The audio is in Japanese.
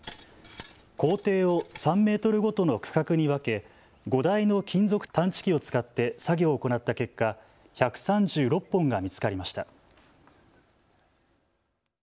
校庭を３メートルごとの区画に分け５台の金属探知機を使って作業を行った結果、１３６本が見つかりました。